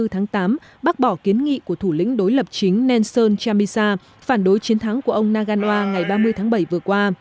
hai mươi tháng tám bác bỏ kiến nghị của thủ lĩnh đối lập chính nelson chamisa phản đối chiến thắng của ông nagawa ngày ba mươi tháng bảy vừa qua